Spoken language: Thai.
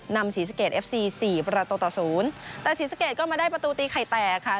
ศรีสะเกดเอฟซีสี่ประตูต่อศูนย์แต่ศรีสะเกดก็มาได้ประตูตีไข่แตกค่ะ